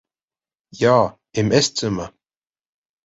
Ja, im Esszimmer.